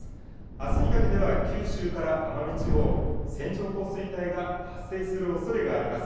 あすにかけては九州から奄美地方、線状降水帯が発生するおそれがあります。